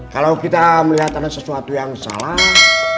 kalau kita melihat ada sesuatu yang salah